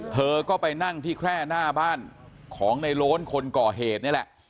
เธอก็ไปนั่งที่แคร่หน้าบ้านของในโล้นคนก่อเหตุนี่แหละ